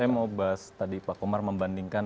saya mau bahas tadi pak komar membandingkan